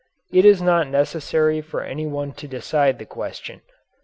It is not necessary for any one to decide the question.